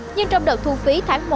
nhưng trong đợt thu phí tháng một